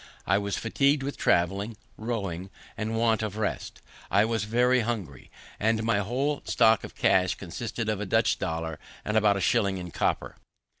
I was fatigued with traveling, rowing, and want of rest, I was very hungry; and my whole stock of cash consisted of a Dutch dollar, and about a shilling in copper.